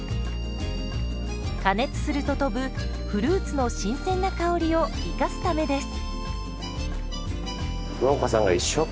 加熱すると飛ぶフルーツの新鮮な香りを生かすためです。